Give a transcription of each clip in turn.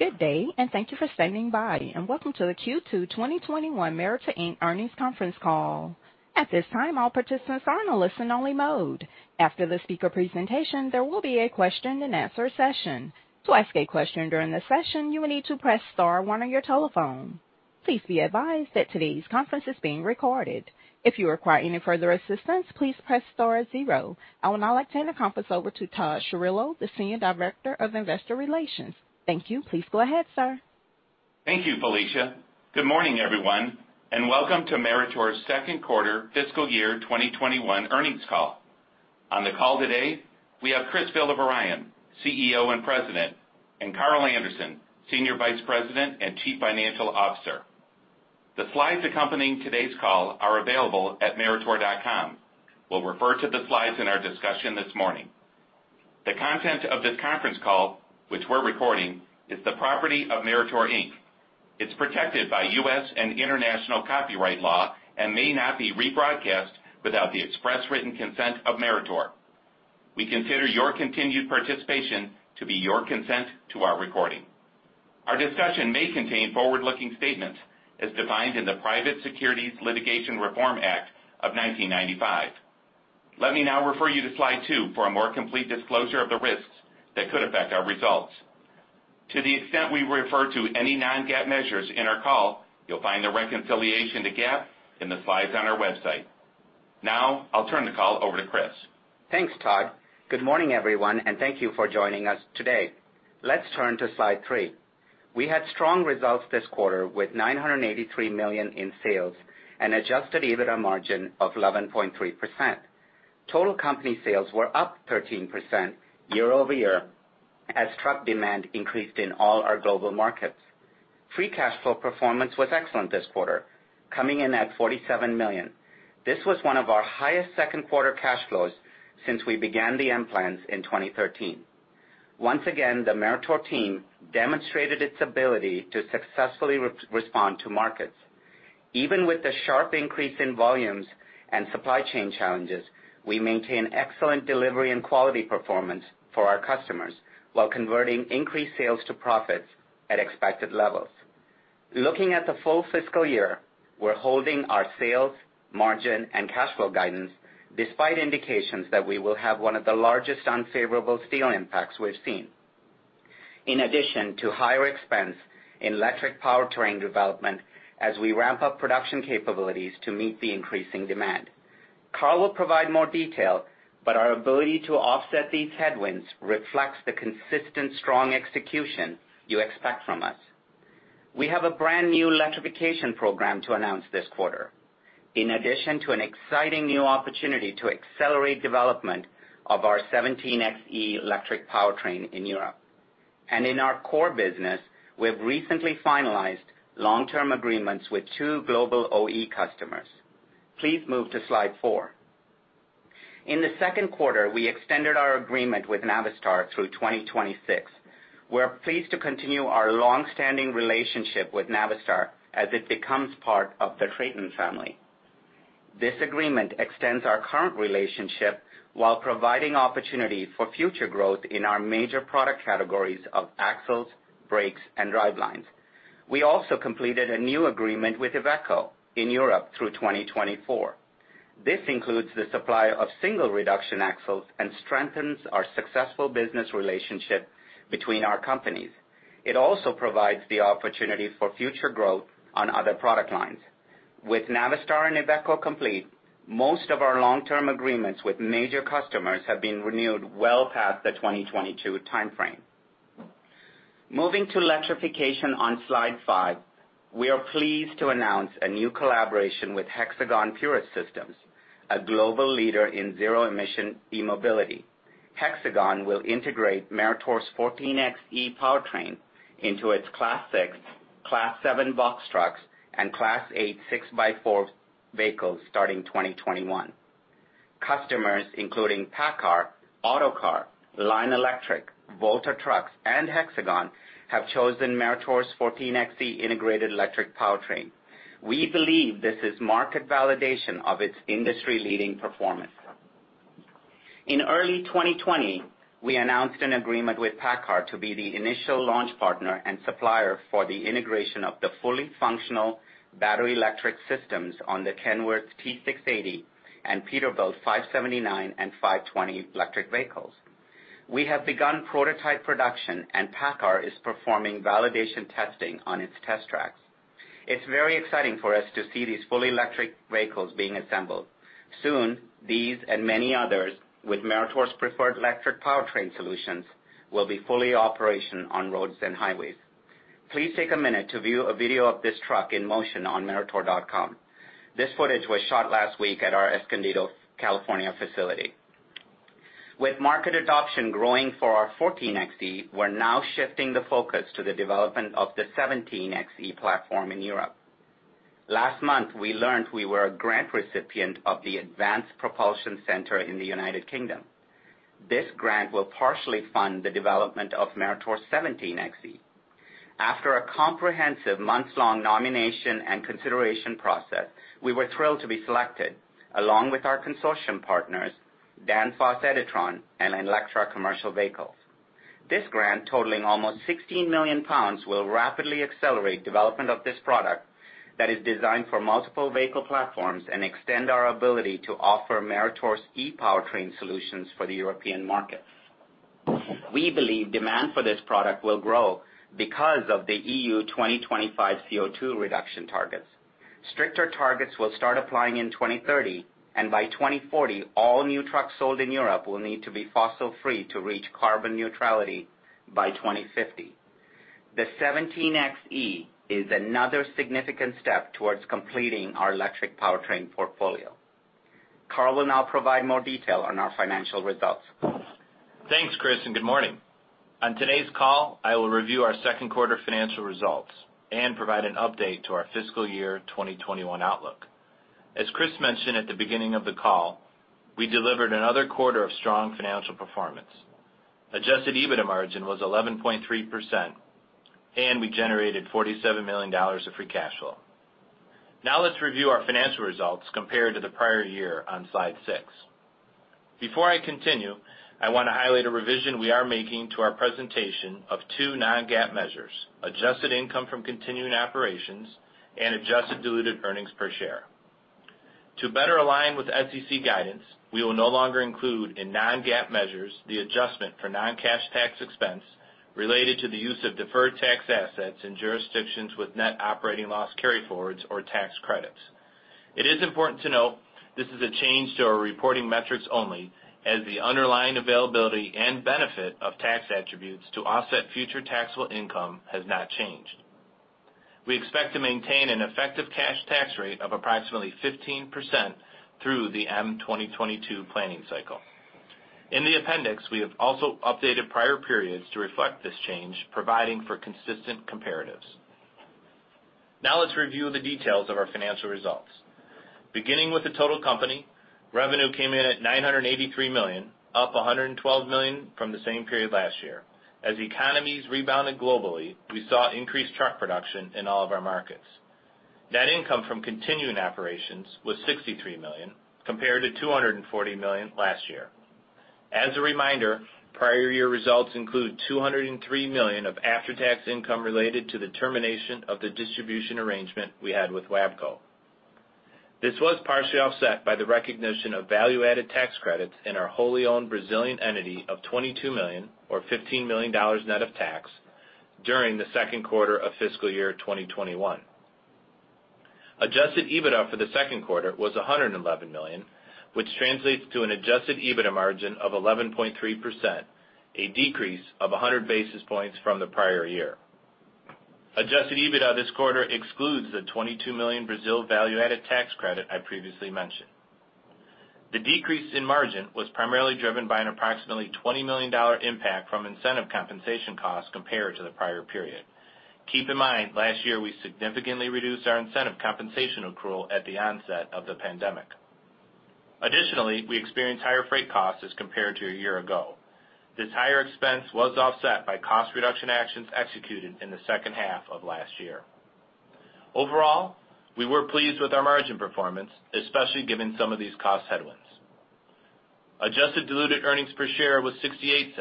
Good day, and thank you for standing by, and welcome to the Q2 2021 Meritor Inc. earnings conference call. At this time, all participants are in a listen-only mode. After the speaker presentation, there will be a question and answer session. To ask a question during the session, you will need to press star one on your telephone. Please be advised that today's conference is being recorded. If you require any further assistance, please press star zero. I would now like to hand the conference over to Todd Chirillo, the Senior Director of Investor Relations. Thank you. Please go ahead, sir. Thank you, Felicia. Good morning, everyone, and welcome to Meritor's second quarter fiscal year 2021 earnings call. On the call today, we have Chris Villavarayan, CEO and President, and Carl Anderson, Senior Vice President and Chief Financial Officer. The slides accompanying today's call are available at meritor.com. We'll refer to the slides in our discussion this morning. The content of this conference call, which we're recording, is the property of Meritor Inc. It's protected by U.S. and international copyright law and may not be rebroadcast without the express written consent of Meritor. We consider your continued participation to be your consent to our recording. Our discussion may contain forward-looking statements as defined in the Private Securities Litigation Reform Act of 1995. Let me now refer you to slide two for a more complete disclosure of the risks that could affect our results. To the extent we refer to any non-GAAP measures in our call, you'll find the reconciliation to GAAP in the slides on our website. I'll turn the call over to Chris. Thanks, Todd. Good morning, everyone, thank you for joining us today. Let's turn to slide three. We had strong results this quarter with $983 million in sales and adjusted EBITDA margin of 11.3%. Total company sales were up 13% year-over-year as truck demand increased in all our global markets. Free cash flow performance was excellent this quarter, coming in at $47 million. This was one of our highest second-quarter cash flows since we began the M plans in 2013. Once again, the Meritor team demonstrated its ability to successfully respond to markets. Even with the sharp increase in volumes and supply chain challenges, we maintain excellent delivery and quality performance for our customers while converting increased sales to profits at expected levels. Looking at the full fiscal year, we're holding our sales, margin, and cash flow guidance despite indications that we will have one of the largest unfavorable steel impacts we've seen. In addition to higher expense in electric powertrain development as we ramp up production capabilities to meet the increasing demand. Carl will provide more detail. Our ability to offset these headwinds reflects the consistent strong execution you expect from us. We have a brand-new electrification program to announce this quarter, in addition to an exciting new opportunity to accelerate development of our 17Xe electric powertrain in Europe. In our core business, we've recently finalized long-term agreements with two global OE customers. Please move to slide four. In the second quarter, we extended our agreement with Navistar through 2026. We're pleased to continue our long-standing relationship with Navistar as it becomes part of the TRATON family. This agreement extends our current relationship while providing opportunity for future growth in our major product categories of axles, brakes, and drivelines. We also completed a new agreement with IVECO in Europe through 2024. This includes the supply of single reduction axles and strengthens our successful business relationship between our companies. It also provides the opportunity for future growth on other product lines. With Navistar and IVECO complete, most of our long-term agreements with major customers have been renewed well past the 2022 timeframe. Moving to electrification on Slide five, we are pleased to announce a new collaboration with Hexagon Purus, a global leader in zero-emission e-mobility. Hexagon will integrate Meritor's 14Xe ePowertrain into its Class 6, Class 7 box trucks, and Class 8 6x4 vehicles starting 2021. Customers including PACCAR, Autocar, Lion Electric, Volta Trucks, and Hexagon have chosen Meritor's 14Xe integrated electric powertrain. We believe this is market validation of its industry-leading performance. In early 2020, we announced an agreement with PACCAR to be the initial launch partner and supplier for the integration of the fully functional battery electric systems on the Kenworth T680 and Peterbilt 579 and 520 electric vehicles. We have begun prototype production, and PACCAR is performing validation testing on its test tracks. It's very exciting for us to see these fully electric vehicles being assembled. Soon, these and many others with Meritor's preferred electric powertrain solutions will be fully operational on roads and highways. Please take a minute to view a video of this truck in motion on meritor.com. This footage was shot last week at our Escondido, California, facility. With market adoption growing for our 14Xe, we're now shifting the focus to the development of the 17Xe platform in Europe. Last month, we learned we were a grant recipient of the Advanced Propulsion Centre in the United Kingdom. This grant will partially fund the development of Meritor 17Xe. After a comprehensive months-long nomination and consideration process, we were thrilled to be selected along with our consortium partners, Danfoss Editron and Electra Commercial Vehicles. This grant, totaling almost 16 million pounds, will rapidly accelerate development of this product that is designed for multiple vehicle platforms and extend our ability to offer Meritor's e-powertrain solutions for the European market. We believe demand for this product will grow because of the EU 2025 CO2 reduction targets. Stricter targets will start applying in 2030, and by 2040, all new trucks sold in Europe will need to be fossil-free to reach carbon neutrality by 2050. The 17Xe is another significant step towards completing our electric powertrain portfolio. Carl will now provide more detail on our financial results. Thanks, Chris, and good morning. On today's call, I will review our second quarter financial results and provide an update to our fiscal year 2021 outlook. As Chris mentioned at the beginning of the call, we delivered another quarter of strong financial performance. Adjusted EBITDA margin was 11.3%, and we generated $47 million of free cash flow. Now let's review our financial results compared to the prior year on slide six. Before I continue, I want to highlight a revision we are making to our presentation of two non-GAAP measures: adjusted income from continuing operations and adjusted diluted earnings per share. To better align with SEC guidance, we will no longer include in non-GAAP measures the adjustment for non-cash tax expense related to the use of deferred tax assets in jurisdictions with net operating loss carryforwards or tax credits. It is important to note this is a change to our reporting metrics only, as the underlying availability and benefit of tax attributes to offset future taxable income has not changed. We expect to maintain an effective cash tax rate of approximately 15% through the M2022 planning cycle. In the appendix, we have also updated prior periods to reflect this change, providing for consistent comparatives. Now let's review the details of our financial results. Beginning with the total company, revenue came in at $983 million, up $112 million from the same period last year. As economies rebounded globally, we saw increased truck production in all of our markets. Net income from continuing operations was $63 million, compared to $240 million last year. As a reminder, prior year results include $203 million of after-tax income related to the termination of the distribution arrangement we had with WABCO. This was partially offset by the recognition of value-added tax credits in our wholly owned Brazilian entity of $22 million, or $15 million net of tax, during the second quarter of fiscal year 2021. Adjusted EBITDA for the second quarter was $111 million, which translates to an adjusted EBITDA margin of 11.3%, a decrease of 100 basis points from the prior year. Adjusted EBITDA this quarter excludes the $22 million Brazil value-added tax credit I previously mentioned. The decrease in margin was primarily driven by an approximately $20 million impact from incentive compensation costs compared to the prior period. Keep in mind, last year we significantly reduced our incentive compensation accrual at the onset of the pandemic. Additionally, we experienced higher freight costs as compared to a year ago. This higher expense was offset by cost reduction actions executed in the second half of last year. Overall, we were pleased with our margin performance, especially given some of these cost headwinds. Adjusted diluted earnings per share was $0.68,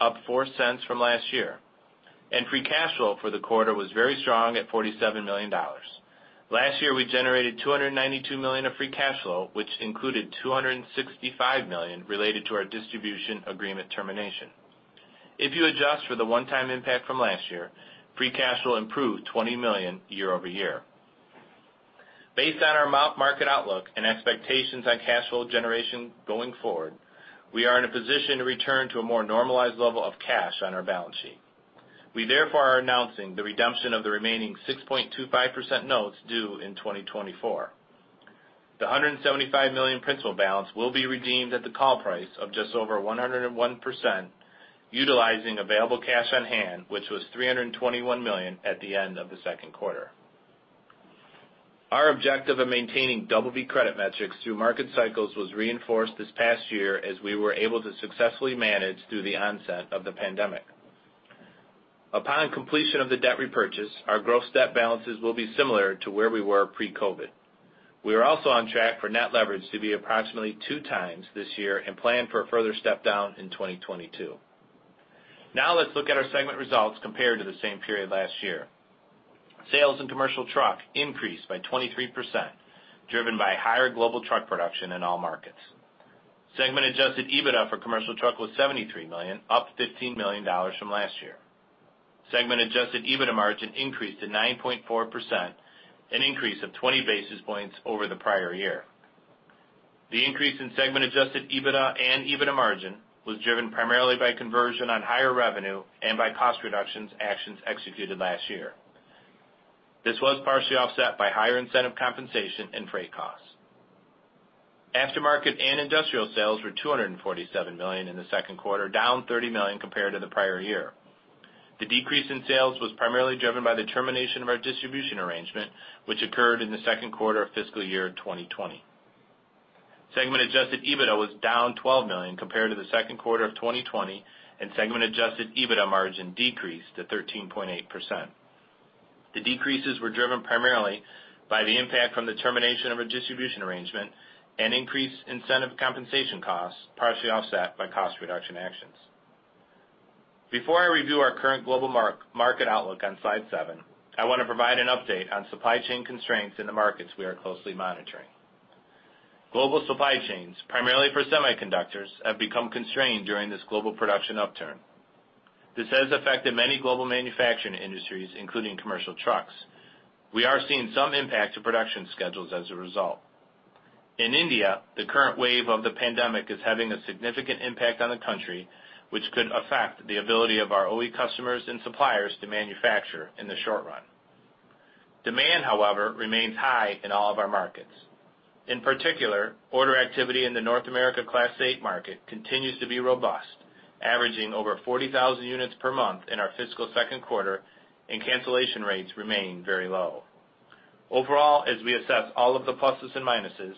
up $0.04 from last year, and free cash flow for the quarter was very strong at $47 million. Last year, we generated $292 million of free cash flow, which included $265 million related to our distribution agreement termination. If you adjust for the one-time impact from last year, free cash flow improved $20 million year-over-year. Based on our market outlook and expectations on cash flow generation going forward, we are in a position to return to a more normalized level of cash on our balance sheet. We therefore are announcing the redemption of the remaining 6.25% notes due in 2024. The $175 million principal balance will be redeemed at the call price of just over 101%, utilizing available cash on hand, which was $321 million at the end of the second quarter. Our objective of maintaining BB credit metrics through market cycles was reinforced this past year as we were able to successfully manage through the onset of the pandemic. Upon completion of the debt repurchase, our gross debt balances will be similar to where we were pre-COVID. We are also on track for net leverage to be approximately two times this year and plan for a further step down in 2022. Now let's look at our segment results compared to the same period last year. Sales in Commercial Truck increased by 23%, driven by higher global truck production in all markets. Segment adjusted EBITDA for Commercial Truck was $73 million, up $15 million from last year. Segment adjusted EBITDA margin increased to 9.4%, an increase of 20 basis points over the prior year. The increase in segment adjusted EBITDA and EBITDA margin was driven primarily by conversion on higher revenue and by cost reductions actions executed last year. This was partially offset by higher incentive compensation and freight costs. Aftermarket and industrial sales were $247 million in the second quarter, down $30 million compared to the prior year. The decrease in sales was primarily driven by the termination of our distribution arrangement, which occurred in the second quarter of fiscal year 2020. Segment adjusted EBITDA was down $12 million compared to the second quarter of 2020, and segment-adjusted EBITDA margin decreased to 13.8%. The decreases were driven primarily by the impact from the termination of a distribution arrangement and increased incentive compensation costs, partially offset by cost reduction actions. Before I review our current global market outlook on slide seven, I want to provide an update on supply chain constraints in the markets we are closely monitoring. Global supply chains, primarily for semiconductors, have become constrained during this global production upturn. This has affected many global manufacturing industries, including commercial trucks. We are seeing some impact to production schedules as a result. In India, the current wave of the pandemic is having a significant impact on the country, which could affect the ability of our OE customers and suppliers to manufacture in the short run. Demand, however, remains high in all of our markets. In particular, order activity in the North America Class 8 market continues to be robust, averaging over 40,000 units per month in our fiscal second quarter, and cancellation rates remain very low. Overall, as we assess all of the pluses and minuses,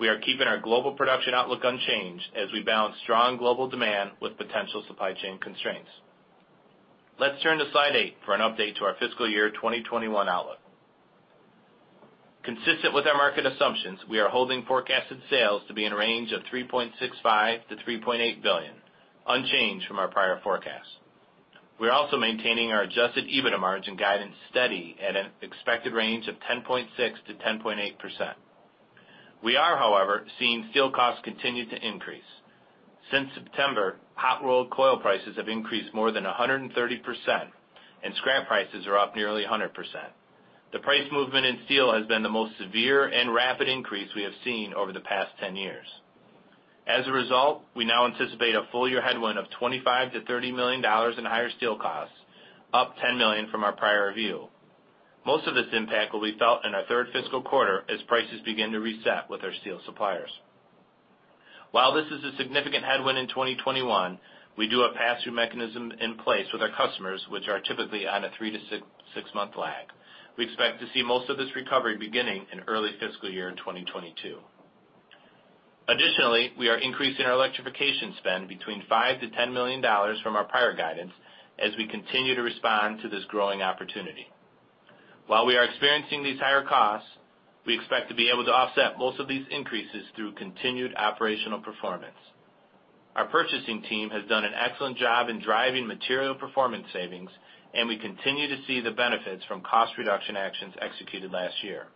we are keeping our global production outlook unchanged as we balance strong global demand with potential supply chain constraints. Let's turn to slide eight for an update to our fiscal year 2021 outlook. Consistent with our market assumptions, we are holding forecasted sales to be in a range of $3.65 billion-$3.8 billion, unchanged from our prior forecast. We are also maintaining our adjusted EBITDA margin guidance steady at an expected range of 10.6%-10.8%. We are, however, seeing steel costs continue to increase. Since September, hot rolled coil prices have increased more than 130%, and scrap prices are up nearly 100%. The price movement in steel has been the most severe and rapid increase we have seen over the past 10 years. As a result, we now anticipate a full-year headwind of $25 million-$30 million in higher steel costs, up $10 million from our prior review. Most of this impact will be felt in our third fiscal quarter as prices begin to reset with our steel suppliers. While this is a significant headwind in 2021, we do have pass-through mechanism in place with our customers, which are typically on a three- to six-month lag. We expect to see most of this recovery beginning in early fiscal year 2022. Additionally, we are increasing our electrification spend between $5 million-$10 million from our prior guidance as we continue to respond to this growing opportunity. While we are experiencing these higher costs, we expect to be able to offset most of these increases through continued operational performance. Our purchasing team has done an excellent job in driving material performance savings, and we continue to see the benefits from cost reduction actions executed last year.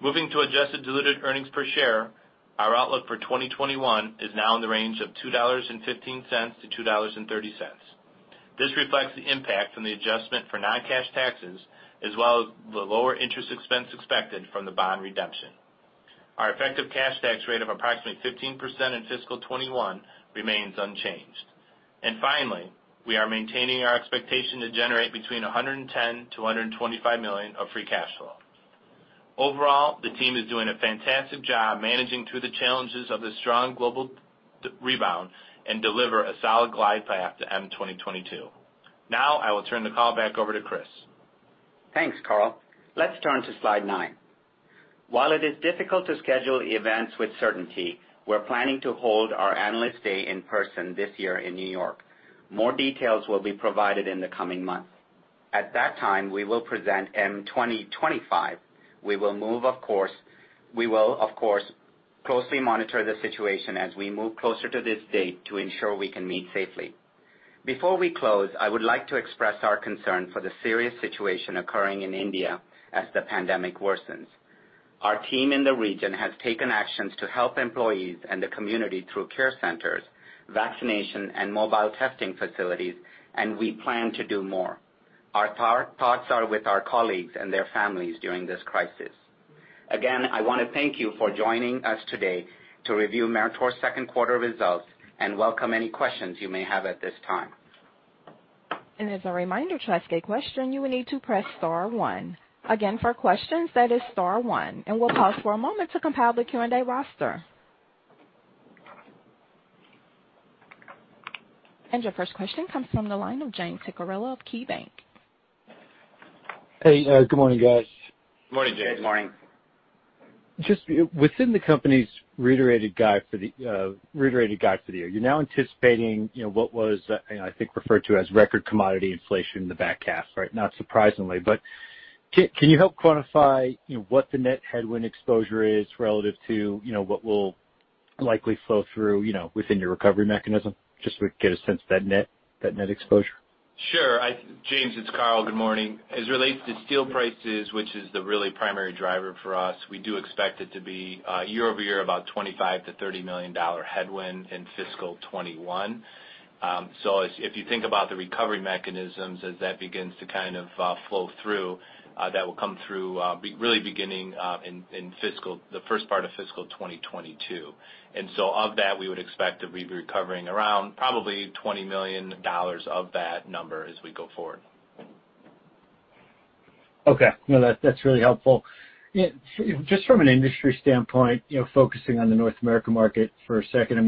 Moving to adjusted diluted earnings per share, our outlook for 2021 is now in the range of $2.15-$2.30. This reflects the impact from the adjustment for non-cash taxes, as well as the lower interest expense expected from the bond redemption. Our effective cash tax rate of approximately 15% in fiscal 2021 remains unchanged. Finally, we are maintaining our expectation to generate between $110 million-$125 million of free cash flow. Overall, the team is doing a fantastic job managing through the challenges of the strong global rebound and deliver a solid glide path to M 2022. Now, I will turn the call back over to Chris. Thanks, Carl. Let's turn to slide nine. While it is difficult to schedule events with certainty, we're planning to hold our Analyst Day in person this year in New York. More details will be provided in the coming months. At that time, we will present M2025. We will, of course, closely monitor the situation as we move closer to this date to ensure we can meet safely. Before we close, I would like to express our concern for the serious situation occurring in India as the pandemic worsens. Our team in the region has taken actions to help employees and the community through care centers, vaccination, and mobile testing facilities, and we plan to do more. Our thoughts are with our colleagues and their families during this crisis. Again, I want to thank you for joining us today to review Meritor's second quarter results, and welcome any questions you may have at this time. As a reminder, to ask a question, you will need to press star one. Again, for questions, that is star one. We'll pause for a moment to compile the Q&A roster. Your first question comes from the line of James Picariello of KeyBanc. Hey, good morning, guys. Morning, James. Good morning. Just within the company's reiterated guide for the year, you're now anticipating what was, I think, referred to as record commodity inflation in the back half, right? Not surprisingly. Can you help quantify what the net headwind exposure is relative to what will likely flow through within your recovery mechanism? Just so we can get a sense of that net exposure. Sure. James, it's Carl. Good morning. As it relates to steel prices, which is the really primary driver for us, we do expect it to be year-over-year about $25 million-$30 million headwind in fiscal 2021. If you think about the recovery mechanisms as that begins to kind of flow through, that will come through really beginning in the first part of fiscal 2022. Of that, we would expect to be recovering around probably $20 million of that number as we go forward. Okay. No, that's really helpful. Just from an industry standpoint, focusing on the North America market for a second,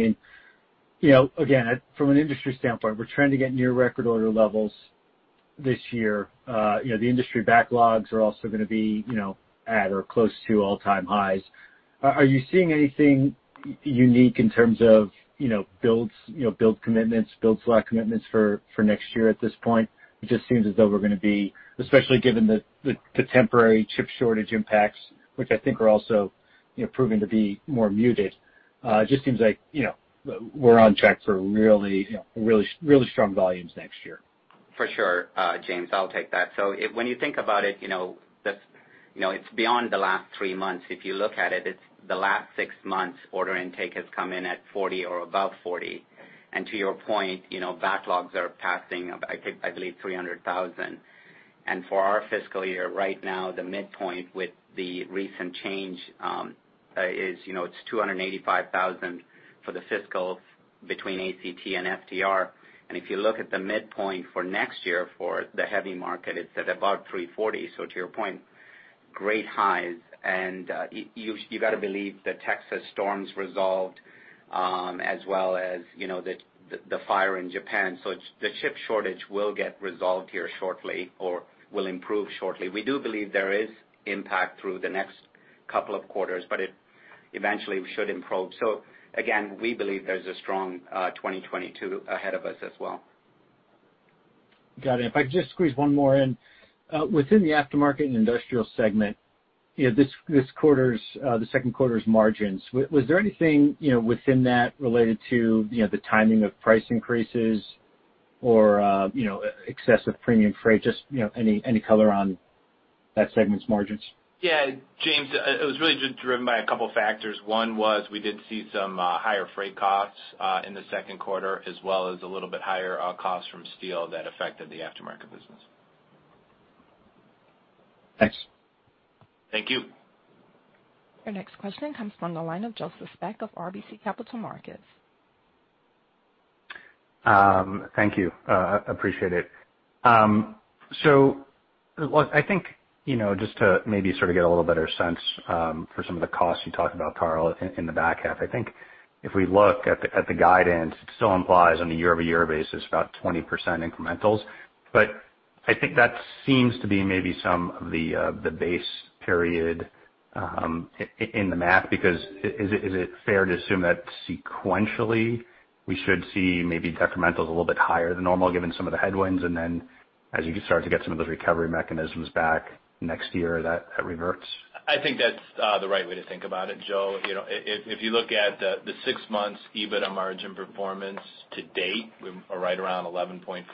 again, from an industry standpoint, we're trending at near record order levels this year, the industry backlogs are also going to be at or close to all-time highs. Are you seeing anything unique in terms of build commitments, build slot commitments for next year at this point? It just seems as though we're going to be, especially given the temporary chip shortage impacts, which I think are also proving to be more muted. Just seems like we're on track for really strong volumes next year. For sure. James, I'll take that. When you think about it's beyond the last three months. If you look at it's the last six months, order intake has come in at 40 or above 40. To your point, backlogs are passing, I believe, 300,000. For our fiscal year, right now, the midpoint with the recent change is it's 285,000 for the fiscal between ACT and FTR. If you look at the midpoint for next year for the heavy market, it's at about 340. To your point, great highs, and you got to believe the Texas storm's resolved as well as the fire in Japan. The chip shortage will get resolved here shortly or will improve shortly. We do believe there is impact through the next couple of quarters, but it eventually should improve. Again, we believe there's a strong 2022 ahead of us as well. Got it. If I could just squeeze one more in. Within the Aftermarket and Industrial segment, the second quarter's margins, was there anything within that related to the timing of price increases or excessive premium freight? Just any color on that segment's margins. Yeah, James, it was really just driven by a couple factors. One was we did see some higher freight costs in the second quarter, as well as a little bit higher costs from steel that affected the aftermarket business. Thanks. Thank you. Your next question comes from the line of Joseph Spak of RBC Capital Markets. Thank you. Appreciate it. I think just to maybe sort of get a little better sense for some of the costs you talked about, Carl, in the back half, I think if we look at the guidance, it still implies on a year-over-year basis about 20% incrementals. I think that seems to be maybe some of the base period in the math, because is it fair to assume that sequentially we should see maybe decrementals a little bit higher than normal given some of the headwinds, and then as you start to get some of those recovery mechanisms back next year, that reverts? I think that's the right way to think about it, Joe. If you look at the six months EBITDA margin performance to date, we're right around 11.4%.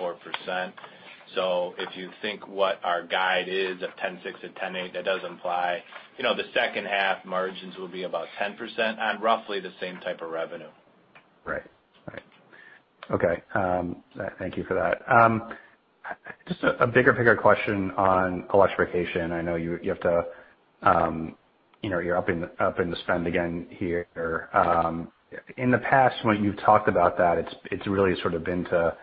If you think what our guide is of 10.6% and 10.8%, that does imply the second half margins will be about 10% on roughly the same type of revenue. Right. Okay. Thank you for that. Just a bigger picture question on electrification. I know you're upping the spend again here. In the past, when you've talked about that, it's really sort of been to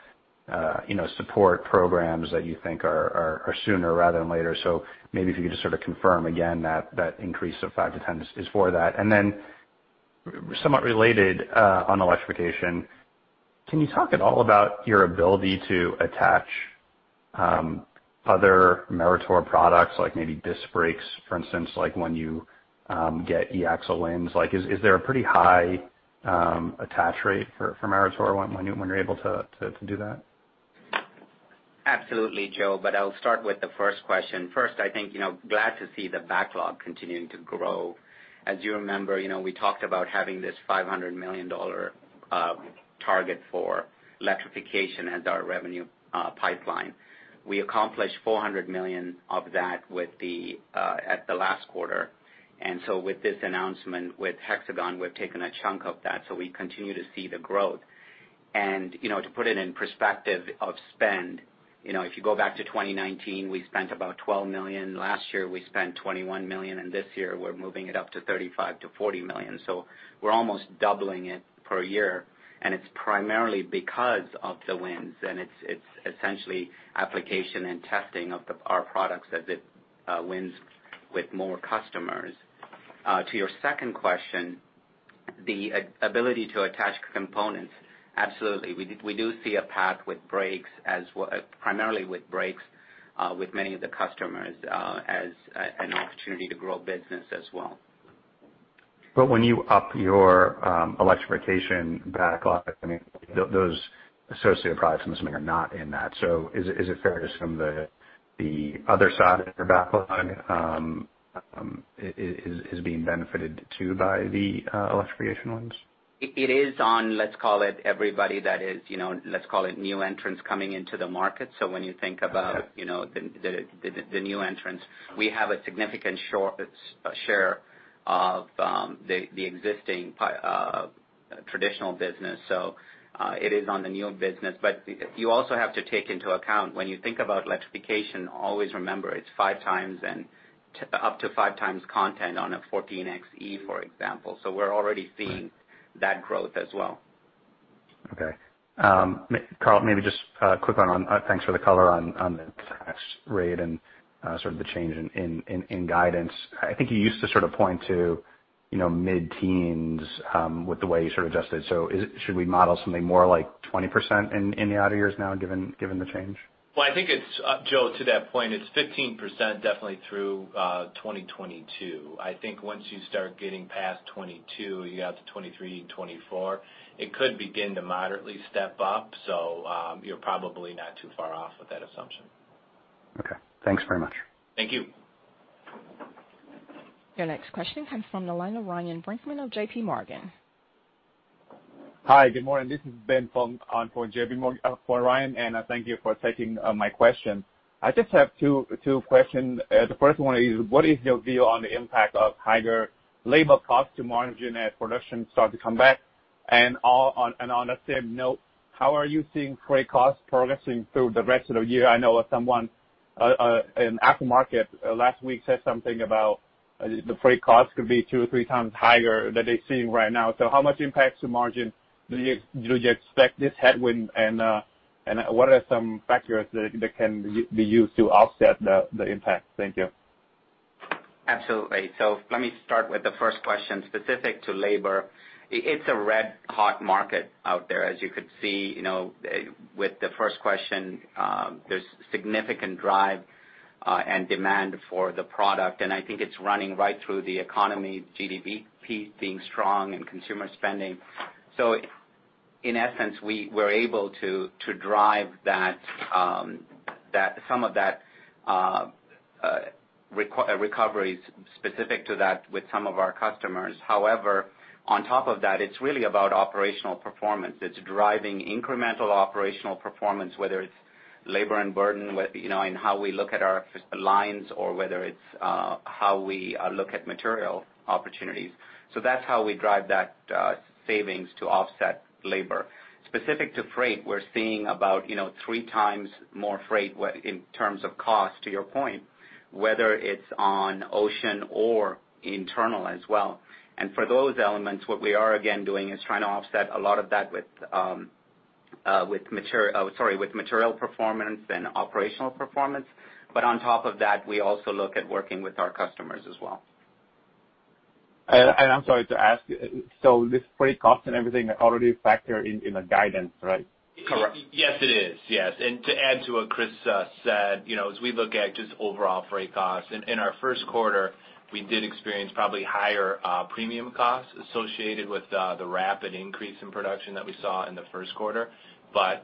support programs that you think are sooner rather than later. Maybe if you could just sort of confirm again that increase of five to 10 is for that. Somewhat related on electrification, can you talk at all about your ability to attach other Meritor products, like maybe disc brakes, for instance, like when you get eAxle wins? Is there a pretty high attach rate for Meritor when you're able to do that? Absolutely, Joe, I'll start with the first question. I think, glad to see the backlog continuing to grow. As you remember, we talked about having this $500 million target for electrification as our revenue pipeline. We accomplished $400 million of that at the last quarter. With this announcement with Hexagon, we've taken a chunk of that, so we continue to see the growth. To put it in perspective of spend, if you go back to 2019, we spent about $12 million. Last year, we spent $21 million, and this year we're moving it up to $35 million-$40 million. We're almost doubling it per year. It's primarily because of the wins, and it's essentially application and testing of our products as it wins with more customers. To your second question, the ability to attach components, absolutely. We do see a path with brakes as well, primarily with brakes, with many of the customers as an opportunity to grow business as well. When you up your electrification backlog, I mean, those associated products I'm assuming are not in that. Is it fair to assume the other side of your backlog is being benefited too by the electrification wins? It is on, let's call it everybody that is new entrants coming into the market. When you think about the new entrants, we have a significant share of the existing traditional business. It is on the new business. You also have to take into account when you think about electrification, always remember it's up to 5x content on a 14Xe, for example. We're already seeing that growth as well. Okay. Carl, maybe just quick on, thanks for the color on the rate and sort of the change in guidance. I think you used to point to mid-teens with the way you sort of adjusted. Should we model something more like 20% in the outer years now, given the change? Well, I think it's, Joe, to that point, it's 15% definitely through 2022. I think once you start getting past 2022, you get out to 2023 and 2024, it could begin to moderately step up. You're probably not too far off with that assumption. Okay. Thanks very much. Thank you. Your next question comes from the line of Ryan Brinkman of JPMorgan. Hi, good morning. This is Ben from JPMorgan for Ryan. Thank you for taking my question. I just have two questions. The first one is, what is your view on the impact of higher labor costs to margin as production start to come back? On that same note, how are you seeing freight costs progressing through the rest of the year? I know someone in aftermarket last week said something about the freight costs could be two or three times higher than they're seeing right now. How much impact to margin do you expect this headwind? What are some factors that can be used to offset the impact? Thank you. Absolutely. Let me start with the first question specific to labor. It's a red hot market out there. As you could see, with the first question, there's significant drive and demand for the product, and I think it's running right through the economy, GDP being strong and consumer spending. In essence, we were able to drive some of that recoveries specific to that with some of our customers. However, on top of that, it's really about operational performance. It's driving incremental operational performance, whether it's labor and burden, in how we look at our lines or whether it's how we look at material opportunities. That's how we drive that savings to offset labor. Specific to freight, we're seeing about three times more freight in terms of cost, to your point, whether it's on ocean or internal as well. For those elements, what we are again doing is trying to offset a lot of that with material performance and operational performance. On top of that, we also look at working with our customers as well. I'm sorry to ask, this freight cost and everything already factor in the guidance, right? Yes, it is. Yes. To add to what Chris said, as we look at just overall freight costs, in our first quarter, we did experience probably higher premium costs associated with the rapid increase in production that we saw in the first quarter. What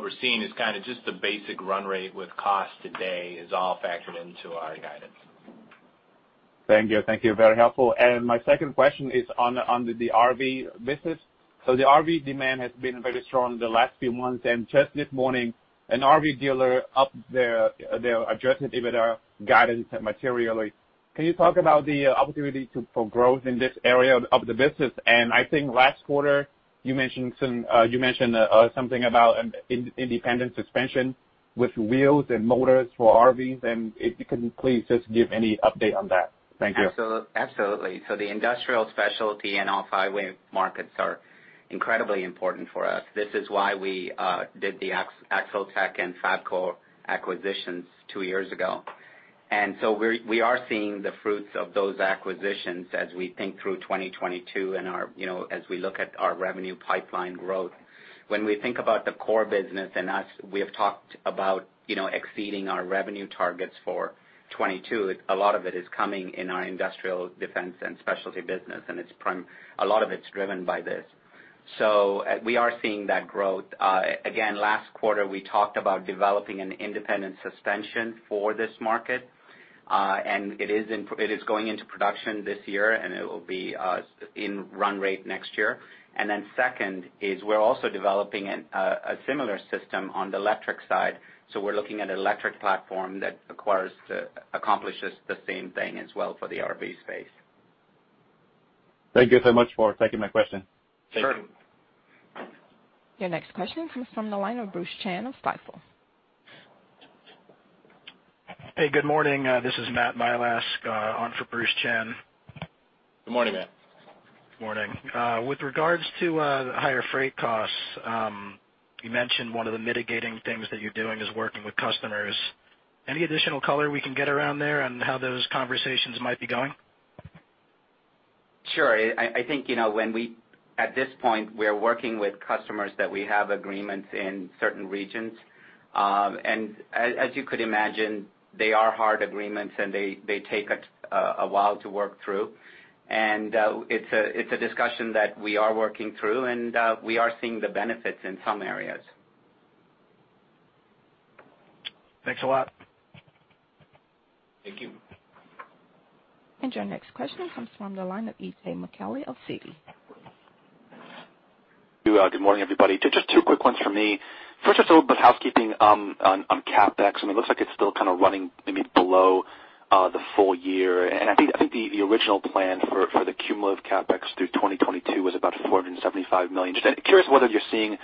we're seeing is kind of just the basic run rate with cost today is all factored into our guidance. Thank you. Very helpful. My second question is on the RV business. The RV demand has been very strong the last few months, and just this morning, an RV dealer upped their adjusted EBITDA guidance materially. Can you talk about the opportunity for growth in this area of the business? I think last quarter you mentioned something about an independent suspension with wheels and motors for RVs, and if you can please just give any update on that. Thank you. Absolutely. The industrial specialty and off-highway markets are incredibly important for us. This is why we did the AxleTech and Fabco acquisitions two years ago. We are seeing the fruits of those acquisitions as we think through 2022 and as we look at our revenue pipeline growth. When we think about the core business and as we have talked about exceeding our revenue targets for 2022, a lot of it is coming in our industrial defense and specialty business, and a lot of it's driven by this. We are seeing that growth. Again, last quarter, we talked about developing an independent suspension for this market. It is going into production this year, and it will be in run rate next year. Second is we're also developing a similar system on the electric side. We're looking at an electric platform that accomplishes the same thing as well for the RV space. Thank you so much for taking my question. Sure. Your next question comes from the line of Bruce Chan of Stifel. Hey, good morning. This is Matt Milask on for Bruce Chan. Good morning, Matt. Morning. With regards to higher freight costs, you mentioned one of the mitigating things that you're doing is working with customers. Any additional color we can get around there on how those conversations might be going? Sure. I think at this point, we are working with customers that we have agreements in certain regions. As you could imagine, they are hard agreements, and they take a while to work through. It's a discussion that we are working through, and we are seeing the benefits in some areas. Thanks a lot. Thank you. Your next question comes from the line of Itay Michaeli of Citi. Good morning, everybody. Just two quick ones for me. First, just a little bit of housekeeping on CapEx. It looks like it's still kind of running below the full year. I think the original plan for the cumulative CapEx through 2022 was about $475 million. Just curious whether you're seeing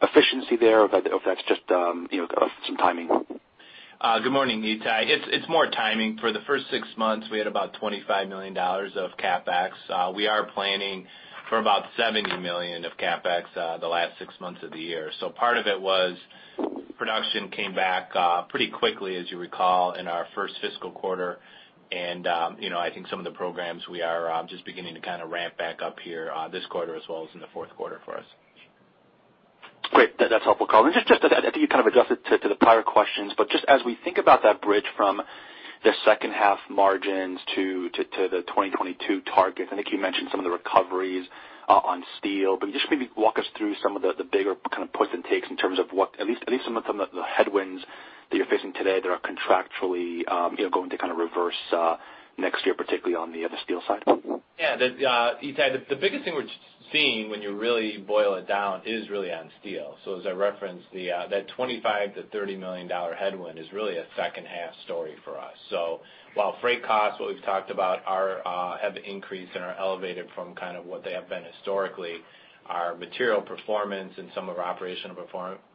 efficiency there or if that's just some timing. Good morning, Itay. It's more timing. For the first six months, we had about $25 million of CapEx. We are planning for about $70 million of CapEx the last six months of the year. Part of it was production came back pretty quickly, as you recall, in our first fiscal quarter, and I think some of the programs we are just beginning to kind of ramp back up here this quarter as well as in the fourth quarter for us. Great. That's helpful, Carl. Just, I think you kind of addressed it to the prior questions, but just as we think about that bridge from the second half margins to the 2022 targets, I think you mentioned some of the recoveries on steel, but can you just maybe walk us through some of the bigger kind of puts and takes in terms of what at least some of the headwinds that you're facing today that are contractually going to kind of reverse next year, particularly on the steel side? Yeah. Itay, the biggest thing we're seeing when you really boil it down is really on steel. As I referenced, that $25 million-$30 million headwind is really a second half story for us. While freight costs, what we've talked about, have increased and are elevated from kind of what they have been historically, our material performance and some of our operational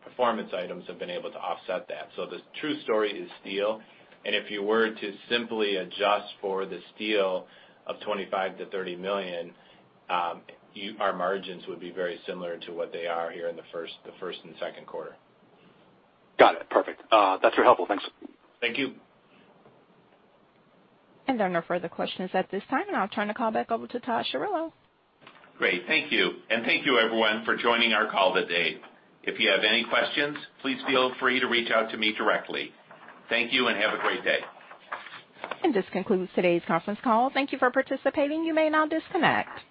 performance items have been able to offset that. The true story is steel, and if you were to simply adjust for the steel of $25 million-$30 million, our margins would be very similar to what they are here in the first and second quarter. Got it. Perfect. That's very helpful. Thanks. Thank you. There are no further questions at this time, and I'll turn the call back over to Todd Chirillo. Great. Thank you. Thank you everyone for joining our call today. If you have any questions, please feel free to reach out to me directly. Thank you and have a great day. This concludes today's conference call. Thank you for participating. You may now disconnect.